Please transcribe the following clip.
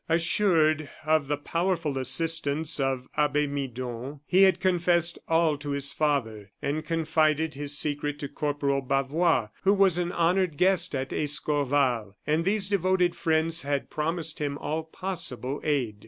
Assured of the powerful assistance of Abbe Midon, he had confessed all to his father, and confided his secret to Corporal Bavois, who was an honored guest at Escorval; and these devoted friends had promised him all possible aid.